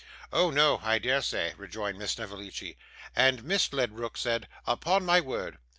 'Oh no! I dare say,' rejoined Miss Snevellicci. And Miss Ledrook said, 'Upon my word!